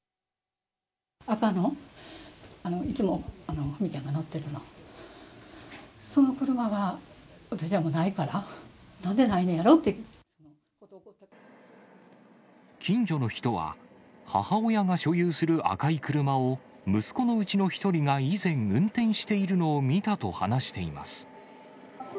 赤の、いつもお兄ちゃんが乗ってるの、その車が、近所の人は、母親が所有する赤い車を、息子のうちの１人が以前運転しているのを見たと話しています。